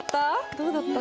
どうだった？